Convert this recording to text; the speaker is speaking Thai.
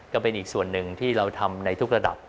ก็เป็นอีกส่วนหนึ่งที่เราทำในทุกระดับ